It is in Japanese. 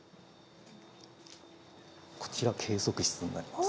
こちら計測室になります。